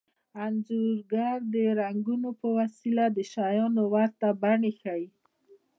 انځورګر د رنګونو په وسیله د شیانو ورته بڼې ښيي